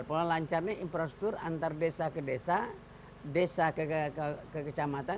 pelawan lancar ini infrastruktur antar desa ke desa desa ke kekecamatan